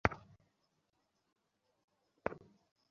বলুন, স্যার।